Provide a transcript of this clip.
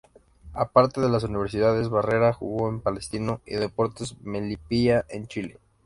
Aparte de las universidades, Barrera jugó en Palestino y Deportes Melipilla en Chile.